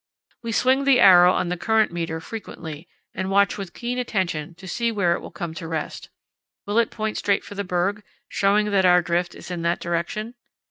We swing the arrow on the current meter frequently and watch with keen attention to see where it will come to rest. Will it point straight for the berg, showing that our drift is in that direction?